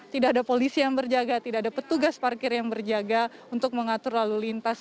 tidak ada polisi yang berjaga tidak ada petugas parkir yang berjaga untuk mengatur lalu lintas